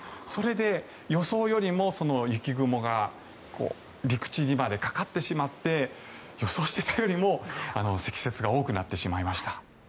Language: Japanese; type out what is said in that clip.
それで予想よりも雪雲が陸地にまでかかってしまって予想していたよりも積雪が多くなってしまいました。